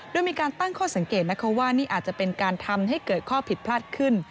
โดยมีการตั้งข้อสังเกตนะคะว่านี่อาจจะเป็นการทำให้เกิดข้อผิดพลาดขึ้น